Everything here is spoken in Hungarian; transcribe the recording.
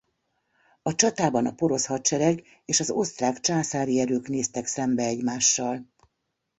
A csatában a porosz hadsereg és az osztrák császári erők néztek szembe egymással.